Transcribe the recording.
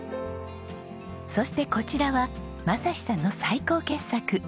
そしてこちらは雅士さんの最高傑作。